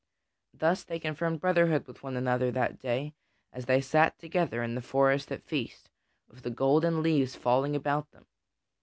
Thus they confirmed brotherhood with one another that day as they sat together in the forest at feast, with the golden leaves falling about them.